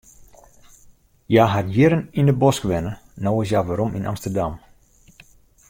Hja hat jierren yn de bosk wenne, no is hja werom yn Amsterdam.